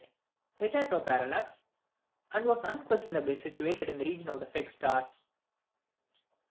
It had no parallax, and was unquestionably situated in the region of the fixed stars.